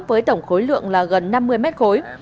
với tổng khối lượng là gần năm mươi mét khối